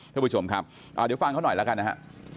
ท่านผู้ชมครับเดี๋ยวฟังเขาหน่อยแล้วกันนะฮะ